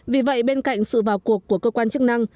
vì vậy bên cạnh sự vào cuộc của cơ quan chức năng